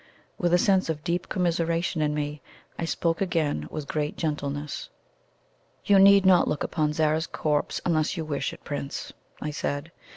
With a sense of deep commiseration in me, I spoke again with great gentleness. "You need not look upon Zara's corpse unless you wish it, Prince," I said.